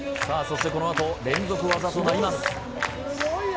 そしてこの後連続技となります